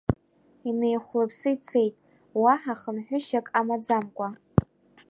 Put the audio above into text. Инеихәлаԥсы ицеит, уаҳа хынҳәышьак амаӡамкәа…